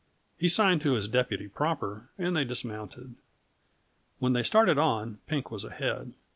He signed to his deputy proper, and they dismounted. When they started on, Pink was ahead.